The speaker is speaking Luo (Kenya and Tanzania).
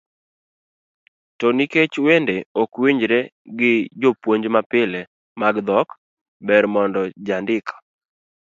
To nikech wende ok winjre gi puonj mapile mag dhok, ber mondo jandik